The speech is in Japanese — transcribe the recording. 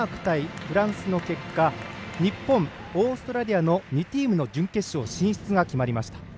フランスの結果日本、オーストラリアの２チームの準決勝進出が決まりました。